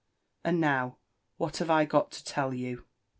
And now, what have I got to tell you